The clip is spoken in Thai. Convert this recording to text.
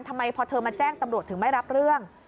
ทำไมพอเธอมาแจ้งตำรวจถึงไม่รับเรื่อง